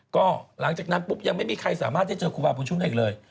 ก็หลังจากนั้นปุ๊บยังไม่มีใครสามารถได้เจอครูบาบุญชุมได้อีกเลย